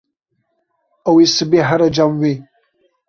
Ew ê sibê here cem wê.